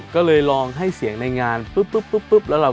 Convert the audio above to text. ก็เลยลองให้เสียงในงานปึ๊บ